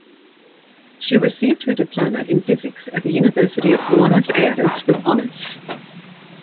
She received her diploma in Physics at the University of Buenos Aires with honors.